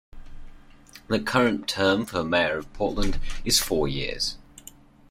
The current term for mayor of Portland is four years.